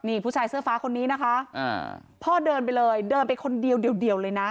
นี่ผู้ชายเสื้อฟ้าคนนี้นะคะพ่อเดินไปเลยเดินไปคนเดียวเดียวเลยนะ